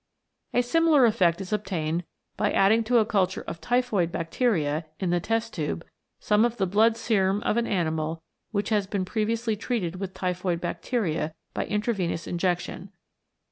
A similar effect is obtained by adding to a culture of typhoid bacteria in the test tube some of the blood serum of an animal which had been pre viously treated with typhoid bacteria by in travenous injection.